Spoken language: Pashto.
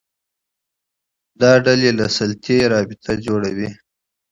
دا ډلې له سلطې رابطه جوړوي